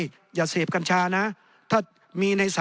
เกี่ยวเซพกัญชานะ